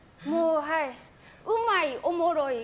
うまい、おもろい。